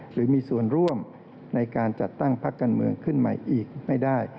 หรือมีส่วนร่วมในการจัดตั้งพักการเมืองขึ้นใหม่อีกไม่ได้